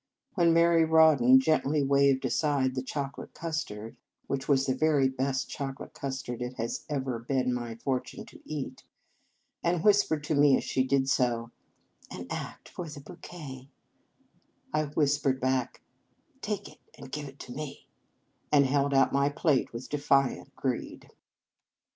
When Mary Rawdon gently waved aside the chocolate custard which was the very best chocolate custard it has ever been my good fortune to eat and whispered to me as she did so, " An act for the bouquet ;" I whispered back, "Take it, and give it to me," and held out my plate with defiant greed.